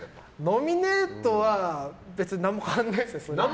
ノミネートは別に何も変わんないです。